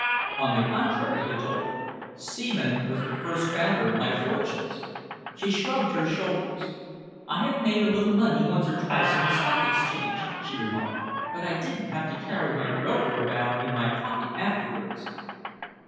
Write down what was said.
"On the contrary," he told her, "Seaman was the first founder of my fortunes." She shrugged her shoulders. "I have made a little money once or twice on the Stock Exchange," she remarked, "but I didn't have to carry my broker about in my pocket afterwards."